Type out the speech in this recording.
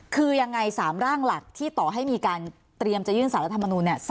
คือยังไง๓ร่างหลักที่ต่อให้มีการเตรียมจะยื่นสารรัฐมนูล